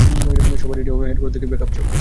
সবাই রেডি হও, হেডকোয়ার্টার থেকে ব্যাকআপ চাও।